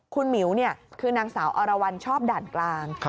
คุณหมิวคือนางสาวอรวรรณชอบด่านกลาง